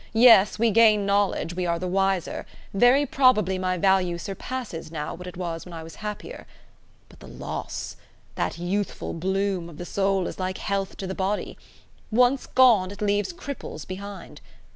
Yes, we gain knowledge, we are the wiser; very probably my value surpasses now what it was when I was happier. But the loss! That youthful bloom of the soul is like health to the body; once gone, it leaves cripples behind.